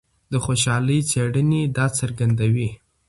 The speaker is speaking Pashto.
د خوشحالۍ څېړنې دا څرګندوي.